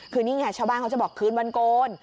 คือนี่ไงชาวบ้านเขาจะบอกคืนวันโกน